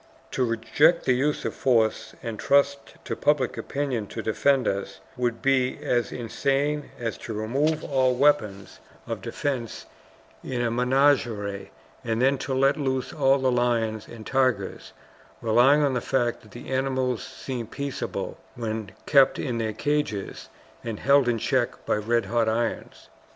To reject the use of force and trust to public opinion to defend us would be as insane as to remove all weapons of defense in a menagerie, and then to let loose all the lions and tigers, relying on the fact that the animals seemed peaceable when kept in their cages and held in check by red hot irons.